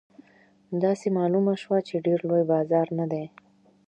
داسې معلومه شوه چې ډېر لوی بازار نه دی.